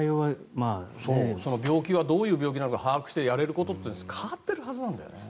病気がどういう病気か把握して、やれることは変わってるはずなのでね。